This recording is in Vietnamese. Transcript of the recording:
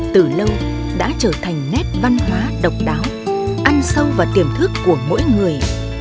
từ lâu đã trở thành nét văn hóa độc đáo ăn sâu vào tiềm thức của mỗi người